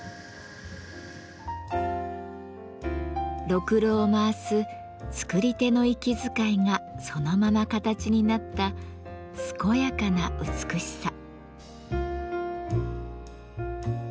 ろくろを回す作り手の息遣いがそのまま形になったすこやかな美しさ。